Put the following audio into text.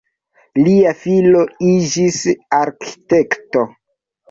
Lia filo iĝis arkitekto.